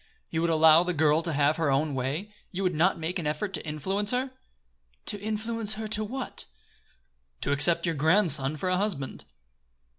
"You would allow the girl to have her own way? You would not make an effort to influence her?" "To influence her to what?" "To accept your grandson for a husband."